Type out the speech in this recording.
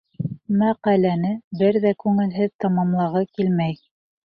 Мәҡәләне бер ҙә күңелһеҙ тамамлағы килмәй.